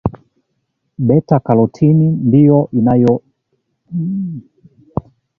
beta karotini ndio inayokipa kiazi lishe rangi ya karoti